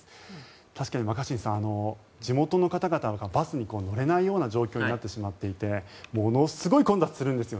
確かに若新さん、地元の方々がバスに乗れないような状況になってしまっていてものすごい混雑するんですよね。